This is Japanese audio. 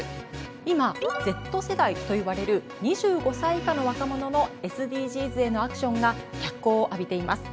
今Ｚ世代といわれる２５歳以下の若者のＳＤＧｓへのアクションが脚光を浴びています。